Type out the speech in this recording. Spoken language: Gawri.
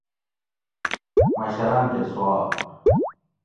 مشراٞن کۤٞہ سوال